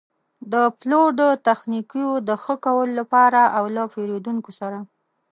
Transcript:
د پلور د تخنیکونو د ښه کولو لپاره او له پېرېدونکو سره.